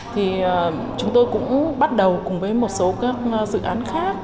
thì chúng tôi cũng bắt đầu cùng với một số các dự án khác